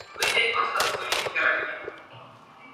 清明時節雨紛紛